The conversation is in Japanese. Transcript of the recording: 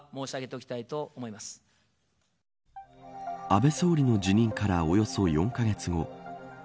安倍総理の辞任からおよそ４カ月後